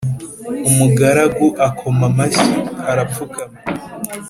umugaragu akoma mashyi arapfukama